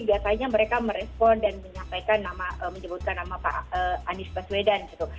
biasanya mereka merespon dan menyampaikan nama menyebutkan nama pak anies baswedan gitu